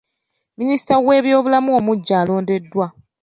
Minisita w'ebyobulamu omuggya alondeddwa.